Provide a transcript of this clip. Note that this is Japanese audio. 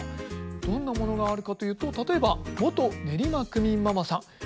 どんなものがあるかというと例えば元練馬区民ママさん。